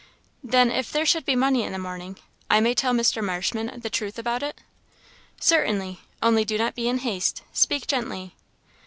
"Then, if there should be money in the morning, I may tell Mr. Marshman the truth about it?" "Certainly only do not be in haste; speak gently."